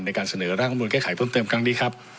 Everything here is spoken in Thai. ในการเสนอร่างรัฐมนุนแก้ไขเพิ่มเติมครั้งนี้ครับ